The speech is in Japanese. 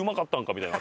みたいな。